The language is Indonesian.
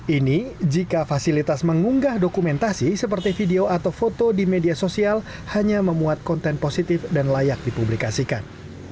ini jika fasilitas mengunggah dokumentasi seperti video atau foto di media sosial hanya memuat konten positif dan layak dipublikasikan